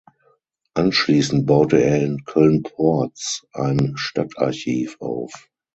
Anschließend baute er in Köln-Porz ein Stadtarchiv auf.